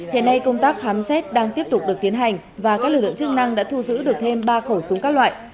hiện nay công tác khám xét đang tiếp tục được tiến hành và các lực lượng chức năng đã thu giữ được thêm ba khẩu súng các loại